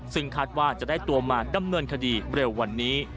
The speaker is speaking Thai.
ซึ่งคาดว่าจะได้ตัวมาดำเนินคดีเร็ววันนี้